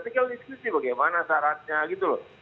tinggal diskusi bagaimana syaratnya gitu loh